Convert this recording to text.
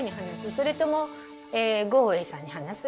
それともグオウエさんに話す？